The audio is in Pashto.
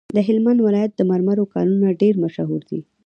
د هلمند ولایت د مرمرو کانونه ډیر مشهور دي.